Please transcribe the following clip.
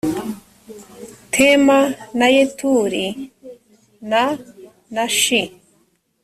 tema na yeturi na na shi